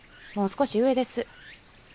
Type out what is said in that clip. もう少し上です。